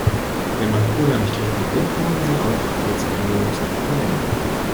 Wenn man Cola nicht trinken will, kann man sie auch als Reinigungsmittel verwenden.